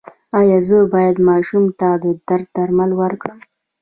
ایا زه باید ماشوم ته د درد درمل ورکړم؟